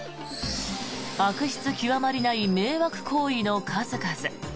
悪質極まりない迷惑行為の数々。